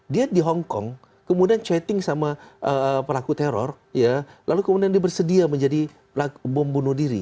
dia di hongkong kemudian chatting sama pelaku teror lalu kemudian dia bersedia menjadi bom bunuh diri